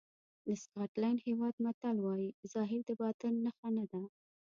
د سکاټلېنډ هېواد متل وایي ظاهر د باطن نښه نه ده.